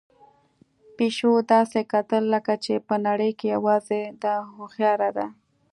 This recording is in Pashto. پيشو داسې کتل لکه چې په نړۍ کې یوازې ده هوښیار ده.